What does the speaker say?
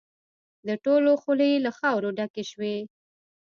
د ټولو خولې له خاورو ډکې شوې.